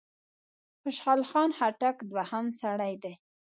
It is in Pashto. خوشحال خان خټک دوهم سړی دی.